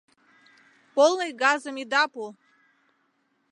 Полный газым ида пу!